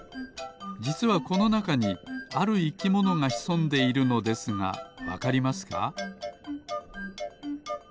じつはこのなかにあるいきものがひそんでいるのですがわかりますか？